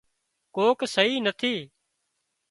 ڪوڪ سئي نٿي